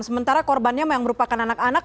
sementara korbannya yang merupakan anak anak